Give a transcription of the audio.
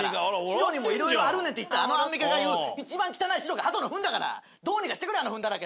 「白にもいろいろあるね」って言ったあのアンミカが言ういちばん汚い白がハトのフンだから。どうにかしてくれよあのフンだらけの。